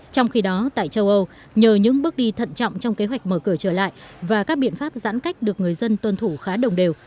trong khi đó tại châu âu nhờ những bước đi thận trọng trong kế hoạch mở cửa trở lại và các biện pháp giãn cách được người dân tuân thủ khá đồng đều